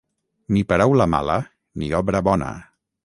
Ni paraula mala, ni obra bona.